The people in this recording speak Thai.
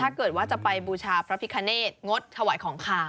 ถ้าเกิดว่าจะไปบูชาพระพิคเนธงดถวายของขาว